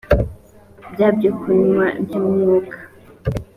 bya byokunywa by umwuka